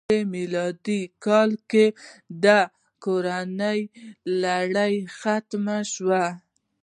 په سپوږمیز میلادي کال کې د دې کورنۍ لړۍ ختمه شوه.